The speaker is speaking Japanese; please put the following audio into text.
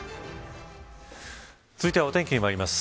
続いてはお天気にまいります。